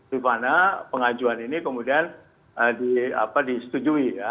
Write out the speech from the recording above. di mana pengajuan ini kemudian di apa disetujui ya